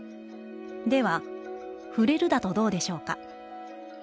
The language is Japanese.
では、『ふれる』だとどうでしょうか」。